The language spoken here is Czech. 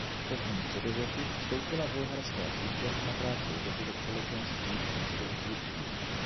V pozdním středověku vstoupila bulharská církev na krátkou dobu do společenství s římskou církví.